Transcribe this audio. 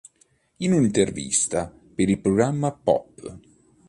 In un'intervista per il programma "Pop!